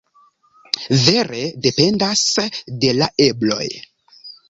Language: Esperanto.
Vere dependas de la ebloj.